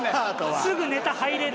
すぐネタ入れる。